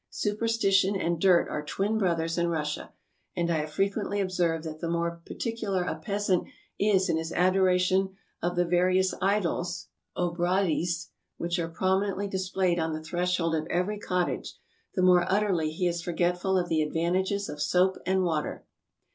Superstition and dirt are twin brothers in Russia, and I have frequently observed that the more particular a peasant is in his adoration of the various idols 300 TRAVELERS AND EXPLORERS {pbrazye), which are prominently displayed on the threshold of every cottage, the more utterly he is forgetful of the ad vantages of soap and water.